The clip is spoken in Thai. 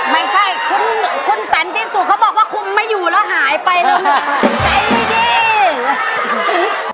ไม่ใช่คุณแฟนที่สุดเขาบอกว่าคุมไม่อยู่แล้วหายไปแล้ว